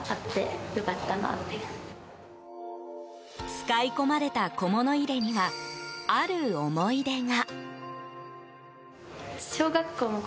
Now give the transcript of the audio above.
使い込まれた小物入れにはある思い出が。